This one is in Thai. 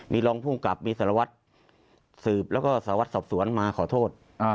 มีรองภูมิกับมีสารวัตรสืบแล้วก็สารวัตรสอบสวนมาขอโทษ